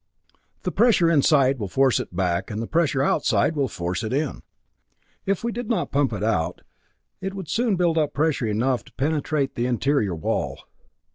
The pressure inside will force it back, and the pressure outside will force it in. If we did not pump it out, it would soon build up pressure enough to penetrate the interior wall.